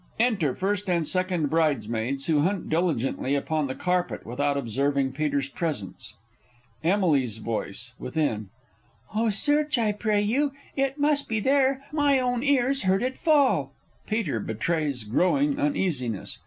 [Enter First and Second Bridesmaids, who hunt diligently upon the carpet without observing Peter's presence. Emily's Voice (within). Oh, search, I pray you. It must be there my own ears heard it fall! [PETER _betrays growing uneasiness.